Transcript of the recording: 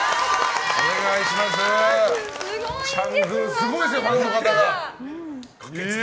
すごいですよ、ファンの方が。